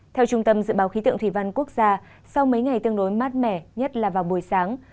theo trung tâm dự báo khí tượng thủy văn quốc gia sau mấy ngày tương đối mát mẻ nhất là vào buổi sáng